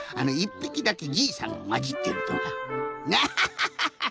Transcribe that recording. ぴきだけじいさんがまじってるとかハハハハ！